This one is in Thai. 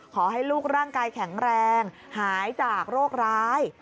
ขอให้ลูกร่างกายแข็งแรงหายจากโรคร้าย